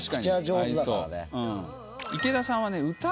池田さんはね。